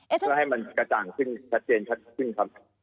เพื่อให้มันกระจ่างขึ้นชัดเจนชัดขึ้นครับ